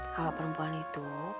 kalau perempuan itu